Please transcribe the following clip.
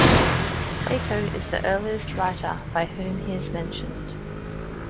Plato is the earliest writer by whom he is mentioned.